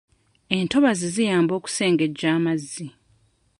Entobazi ziyamba okusengejja amazzi.